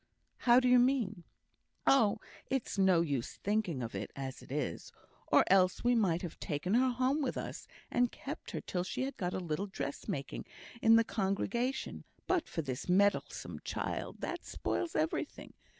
"How do you mean?" "Oh, it's no use thinking of it, as it is! Or else we might have taken her home with us, and kept her till she had got a little dress making in the congregation, but for this meddlesome child; that spoils everything.